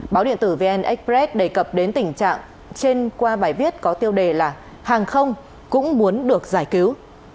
báo điện tử vn express đề cập đến tình trạng trên qua bài viết có tiêu đề là hàng không cũng muốn được giải cứu